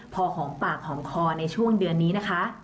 พอหอมปากหอมคอในช่วงเดือนนี้นะคะ